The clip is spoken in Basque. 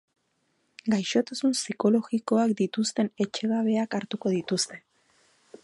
Gaixotasun psikologikoak dituzten etxegabeak hartuko dituzte.